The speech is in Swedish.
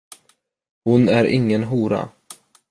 Hon är ingen hora.